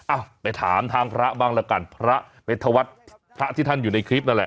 อ่ะไปถามทางพระบ้างละกันพระเมธวัฒน์พระที่ท่านอยู่ในคลิปนั่นแหละ